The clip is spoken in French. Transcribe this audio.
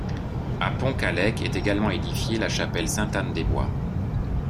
À Pont-Callec est également édifiée la chapelle Sainte-Anne des Bois.